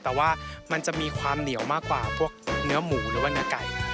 แต่ว่ามันจะมีความเหนียวมากกว่าพวกเนื้อหมูหรือว่าเนื้อไก่